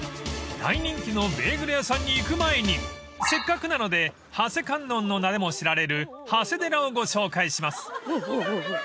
［大人気のベーグル屋さんに行く前にせっかくなので長谷観音の名でも知られる長谷寺をご紹介します］